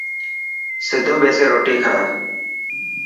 سڌو ٻيسي روٽي کا.